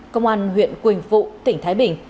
công an huyện quỳnh phụ tỉnh thái bình